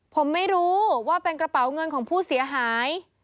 ผมไม่รู้ว่าเป็นกระเป๋าเงินของผู้เสียหาย